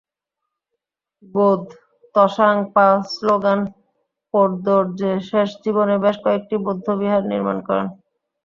র্গোদ-ত্শাং-পা-ম্গোন-পো-র্দো-র্জে শেষ জীবনে বেশ কয়েকটি বৌদ্ধবিহার নির্মাণ করেন।